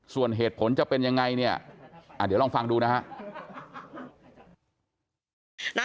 ส่วนเหตุผลจะเป็นยังไงเนี่ยเดี๋ยวลองฟังดูนะฮะ